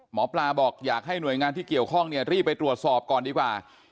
หมอปลาบอกอยากให้หน่วยงานที่เกี่ยวข้องเนี่ยรีบไปตรวจสอบก่อนดีกว่า